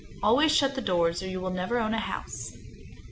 Always shut the doors, or you will never own a house.